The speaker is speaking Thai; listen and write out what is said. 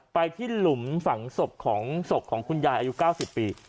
ไปที่หลุมฝั่งศพท์ของศพของคุณยายอายุเก้าสิบปี